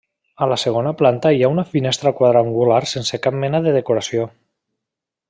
A la segona planta hi ha una finestra quadrangular sense cap mena de decoració.